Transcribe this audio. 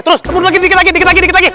terus mundur lagi dikit lagi dikit lagi